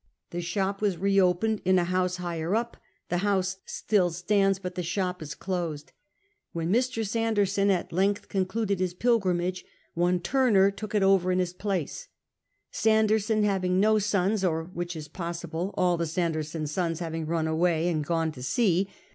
The sho]) was reopened in a house higher up ; the house still stands, but the shop is closed. When Mr. Sanderson at length concluded his julgriinage, one Turner took it over in his place — Sanderson having no sons, or, which is possible, all Sanderson's sons having run away and gone to sea.